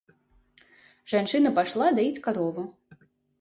Жанчына пайшла даіць карову.